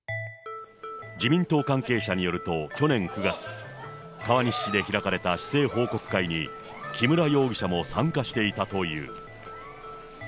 自民党関係者によると、去年９月、川西市で開かれた市政報告会に、木村容疑者も参加していたという。